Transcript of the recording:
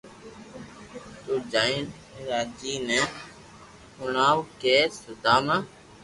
تو جائينن راجي ني ھوڻاو ڪي سوداما